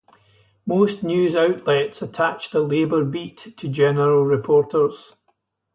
Most news outlets attach the labor beat to general reporters.